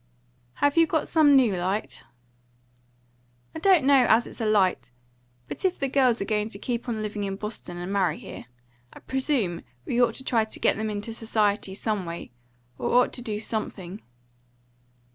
"Have you got some new light?" "I don't know as it's light. But if the girls are going to keep on living in Boston and marry here, I presume we ought to try to get them into society, some way; or ought to do something."